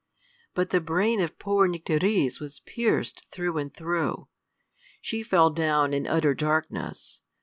But the brain of poor Nycteris was pierced through and through. She fell down in utter darkness.